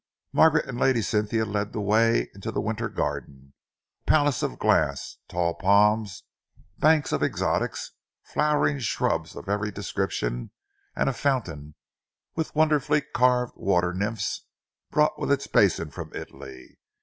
Margaret and Lady Cynthia led the way into the winter garden, a palace of glass, tall palms, banks of exotics, flowering shrubs of every description, and a fountain, with wonderfully carved water nymphs, brought with its basin from Italy.